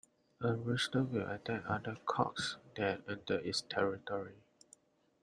A rooster will attack other cocks that enter its territory.